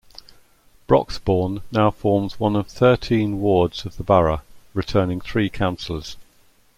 Broxbourne now forms one of thirteen wards of the borough, returning three councillors.